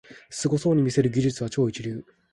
すごそうに見せる技術は超一流